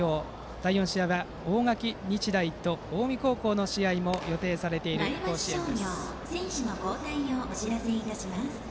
第４試合は大垣日大と近江高校の試合が予定されている甲子園です。